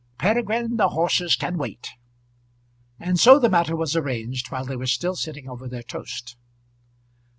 "Peregrine, the horses can wait." And so the matter was arranged while they were still sitting over their toast.